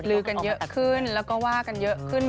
ลือกันเยอะขึ้นแล้วก็ว่ากันเยอะขึ้น